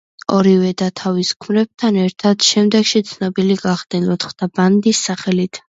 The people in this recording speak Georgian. ორივე და თავის ქმრებთან ერთად შემდეგში ცნობილი გახდნენ „ოთხთა ბანდის“ სახელით.